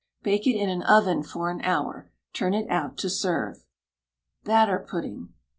Bake it in an oven for an hour. Turn it out to serve. BATTER PUDDING.